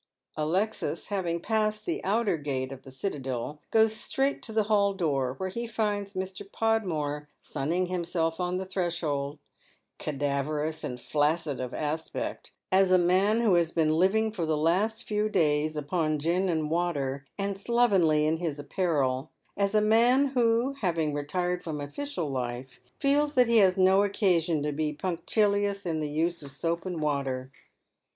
Alexis, liaving passed the outer gate of the citadel, goes straight to the hall door, where he finds Mr. Podmore sunning himself on the threshold, cadaverous and flaccid of aspect, as a man who has been Hving for the last few days upon gin and water, and slovenly in his apparel — as a man who, having retired from official life, feels that he lias no occasion to be punctilious in the use of soap and water.